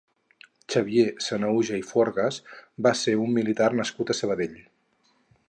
Xavier Sanahuja i Forgas va ser un militar nascut a Sabadell.